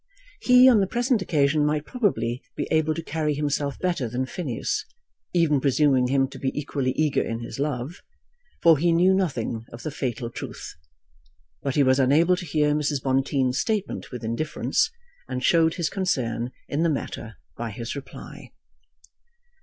He on the present occasion might probably be able to carry himself better than Phineas, even presuming him to be equally eager in his love, for he knew nothing of the fatal truth. But he was unable to hear Mrs. Bonteen's statement with indifference, and showed his concern in the matter by his reply.